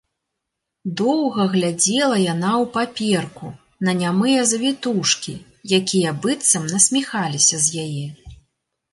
Доўга глядзела яна ў паперку, на нямыя завітушкі, якія быццам насміхаліся з яе.